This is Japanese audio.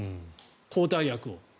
抗体薬を。